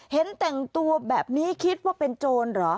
เห็นแต่งตัวแบบนี้คิดว่าเป็นโจรเหรอ